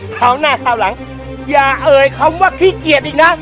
คราวหน้าคราวหลังอย่าเอ่ยคำว่าขี้เกียจอีกนะ